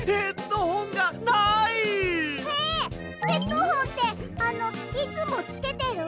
えっヘッドホンってあのいつもつけてる？